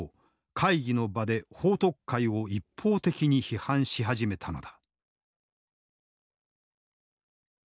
会議の場で彭徳懐を一方的に批判し始めたのだ。